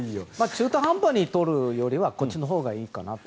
中途半端に撮るよりはこっちのほうがいいかなと。